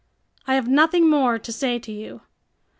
I have nothing more to say to you.